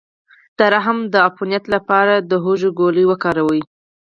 د رحم د عفونت لپاره د هوږې ګولۍ وکاروئ